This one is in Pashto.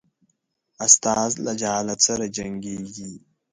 استاد له جهالت سره جنګیږي.